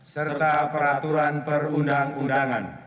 serta peraturan perundang undangan